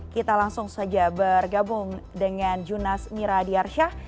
kita langsung saja bergabung dengan junas miradiarsyah